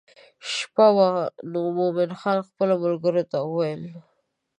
شپه وه نو مومن خان خپلو ملګرو ته وویل.